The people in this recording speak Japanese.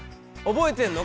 覚えてんの？